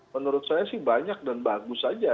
menurut saya sih banyak dan bagus saja